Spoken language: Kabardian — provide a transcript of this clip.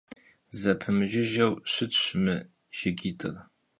Zepemıjjıjeu şıtş mı jjıgit'ır.